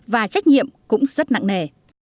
và trách nhiệm cũng rất nặng nề